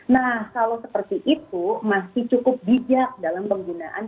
nah kalau seperti itu masih cukup bijak dalam penggunaan